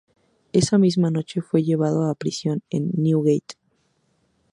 Esa misma noche fue llevado a prisión en Newgate.